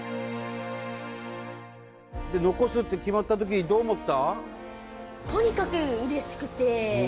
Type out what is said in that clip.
残すって決まったときにどう思った？